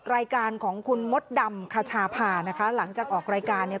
รายการของคุณมดดำคชาพานะคะหลังจากออกรายการเนี่ย